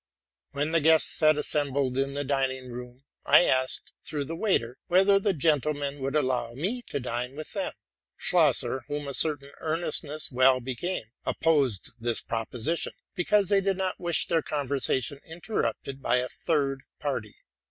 When the guests had assembled in the dining room, I asked, through the waiter, whether the gentlemen would allow me. to dine with them. Schlosser, whom a certain earnestness well became, opposed this prop osition, because they did not wish their conversation inter rupted by a third party.